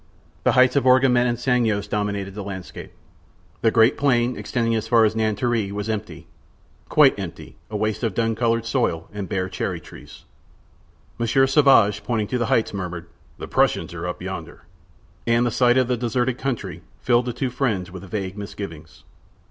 The heights of Orgement and Sannois dominated the landscape. The great plain, extending as far as Nanterre, was empty, quite empty a waste of dun colored soil and bare cherry trees. Monsieur Sauvage, pointing to the heights, murmured: "The Prussians are up yonder!" And the sight of the deserted country filled the two friends with vague misgivings.